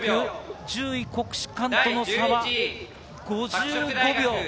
１０位の国士館との差は５５秒。